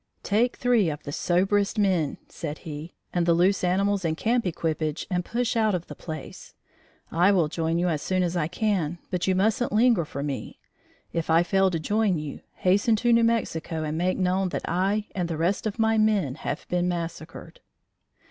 "Take three of the soberest men," said he, "and the loose animals and camp equipage and push out of the place. I will join you as soon as I can, but you mustn't linger for me. If I fail to join you, hasten to New Mexico and make known that I and the rest of my men have been massacred."